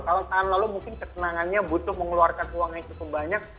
kalau tahun lalu mungkin kesenangannya butuh mengeluarkan uang yang cukup banyak